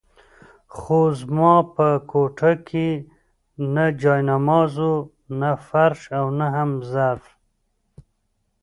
خو زما په کوټه کې نه جاینماز وو، نه فرش او نه هم ظرف.